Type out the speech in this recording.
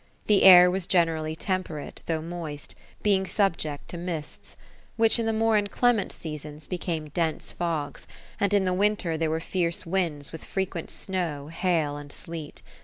The air was generally temperate, though moist, being subject to mists ;— ^which, in the more inclement seasons, became dense fogs ; and in the winter there were fierce winds, with frequent snow, hail, and sleet.